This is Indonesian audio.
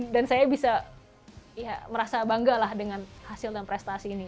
dan saya bisa merasa bangga lah dengan hasil dan prestasi ini